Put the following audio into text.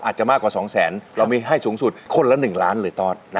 อาจจะมากกว่า๒แสนเรามีให้สูงสุดคนละ๑ล้านเลยตอส